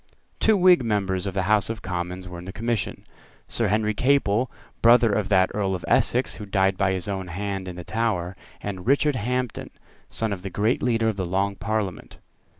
Two Whig members of the House of Commons were in the Commission, Sir Henry Capel, brother of that Earl of Essex who died by his own hand in the Tower, and Richard Hampden, son of the great leader of the Long Parliament.